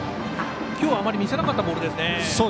きょうはあまり見せなかったボールですね。